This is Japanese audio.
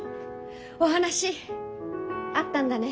お話あったんだね。